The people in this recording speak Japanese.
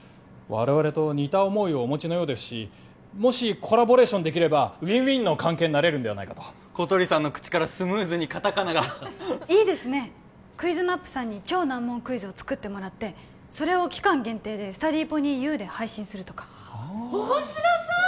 我々と似た思いをお持ちのようですしもしコラボレーションできればウィンウィンの関係になれるのではないかと小鳥さんの口からスムーズにカタカナがいいですねクイズマップさんに超難問クイズを作ってもらってそれを期間限定でスタディーポニーＵで配信するとか面白そう！